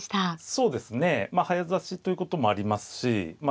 そうですねまあ早指しということもありますしま